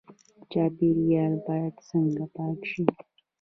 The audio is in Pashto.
چاپیریال باید څنګه پاک شي؟